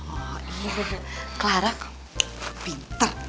oh iya clara pinter